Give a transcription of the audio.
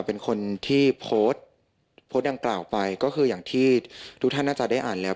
เป็นคนที่โพสต์โพสต์ดังกล่าวไปก็คืออย่างที่ทุกท่านน่าจะได้อ่านแล้ว